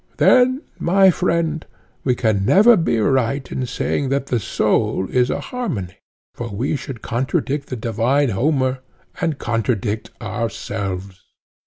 Then, my friend, we can never be right in saying that the soul is a harmony, for we should contradict the divine Homer, and contradict ourselves.